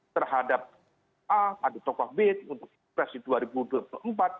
terhadap a atau tokoh b untuk presiden dua ribu dua puluh empat